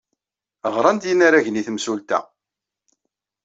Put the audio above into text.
Ɣran-d yinaragen i temsulta.